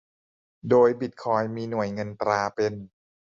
โดยบิตคอยน์มีหน่วยเงินตราเป็น